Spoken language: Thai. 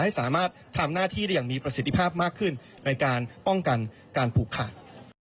ให้สามารถทำหน้าที่ได้อย่างมีประสิทธิภาพมากขึ้นในการป้องกันการผูกขาด